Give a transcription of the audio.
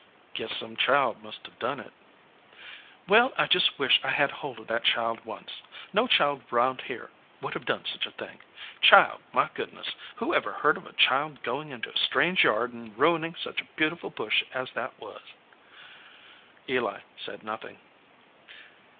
"Guess some child must have done it." "Well, I just wish I had hold of that child once. No child round here would have done such a thing. Child, my goodness! Who ever heard of a child going into a strange yard and ruining such a beau tiful bush as that was?" Eli said nothing.